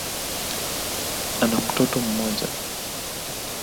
Ana mtoto mmoja.